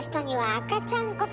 愛ちゃん。